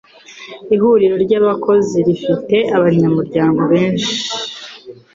Ihuriro ry’abakozi rifite abanyamuryango benshi